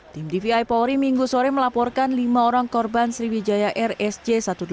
tim dvi polri minggu sore melaporkan lima orang korban sriwijaya rsj satu ratus delapan puluh